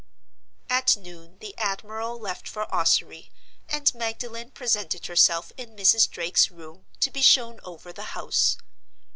At noon the admiral left for Ossory, and Magdalen presented herself in Mrs. Drake's room, to be shown over the house.